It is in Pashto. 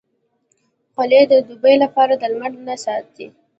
خولۍ د دوبې لپاره د لمر نه ساتي.